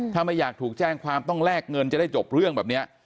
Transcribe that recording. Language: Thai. ถ้าไม่อยากถูกแจ้งความต้องแลกเงินจะได้จบเรื่องแบบนี้